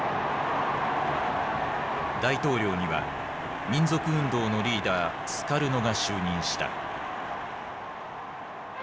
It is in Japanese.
大統領には民族運動のリーダースカルノが就任した。